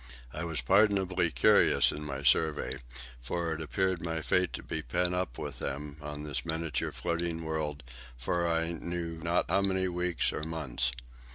I was pardonably curious in my survey, for it appeared my fate to be pent up with them on this miniature floating world for I knew not how many weeks or months.